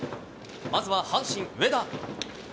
まずは阪神、植田。